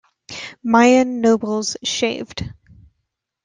Mayan nobles shaved.